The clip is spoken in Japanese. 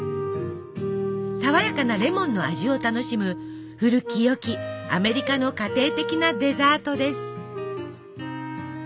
爽やかなレモンの味を楽しむ古きよきアメリカの家庭的なデザートです。